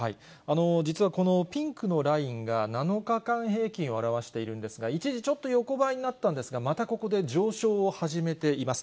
実はこのピンクのラインが７日間平均を表しているんですが、一時ちょっと横ばいになったんですが、またここで上昇を始めています。